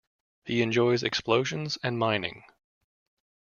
He enjoys explosions and mining.